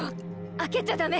開けちゃダメ！